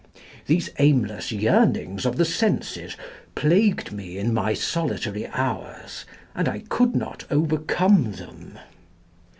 These aimless yearnings of the senses plagued me in my solitary hours, and I could not overcome them.